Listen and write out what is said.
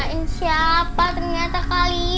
kami kirain siapa ternyata kalian